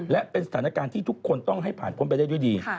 และเป็นสถานการณ์ที่ทุกคนต้องให้ผ่านพ้นไปได้ด้วยดี